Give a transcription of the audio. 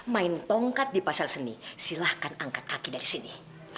main tongkat di pasar seni silahkan angkat kaki dari sini